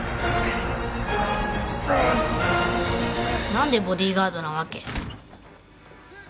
なんでボディーガードなわけ？